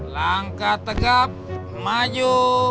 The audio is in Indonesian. langkah tegap maju